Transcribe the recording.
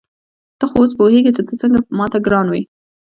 ته خو اوس پوهېږې چې ته څنګه ما ته ګران وې.